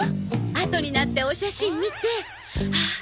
あとになってお写真見てああ